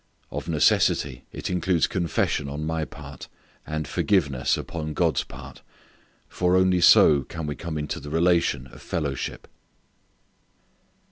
Of necessity it includes confession on my part and forgiveness upon God's part, for only so can we come into the relation of fellowship.